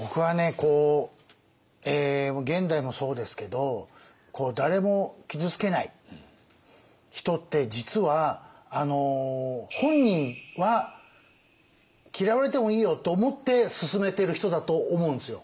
こう現代もそうですけど誰も傷つけない人って実は本人は嫌われてもいいよと思って進めてる人だと思うんですよ。